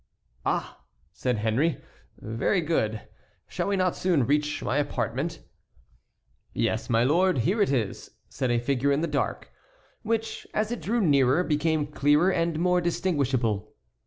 "Ah!" said Henry, "very good. Shall we not soon reach my apartment?" "Yes, my lord, here it is," said a figure in the dark, which, as it drew nearer, became clearer and more distinguishable.